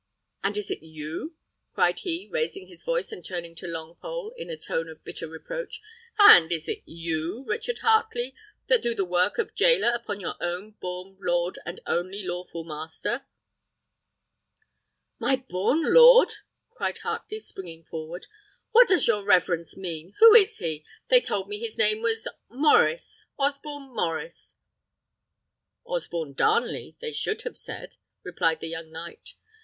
And is it you," cried he, raising his voice, and turning to Longpole, in a tone of bitter reproach, "and is it you, Richard Heartley, that do the work of jailer upon your own born lord and only lawful master?" "My born lord!" cried Heartley, springing forward; "what does your reverence mean? Who is he? They told me his name was Maurice Osborne Maurice." "Osborne Darnley, they should have said," replied the young knight.